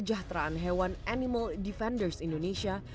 sejahteraan hewan animal defenders indonesia